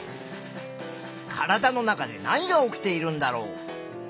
体の中で何が起きているんだろう。